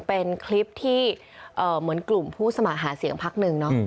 เป็นคลิปที่เหมือนกลุ่มผู้สมัครหาเสียงพักหนึ่งเนาะ